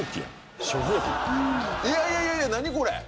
いやいやいや何これ！